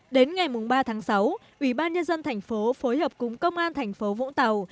đến ngày ba tháng sáu ủy ban nhân dân thành phố phối hợp cùng công an thành phố vũng tàu